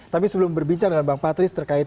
tapi sebelum berbincang dengan bang patris terkait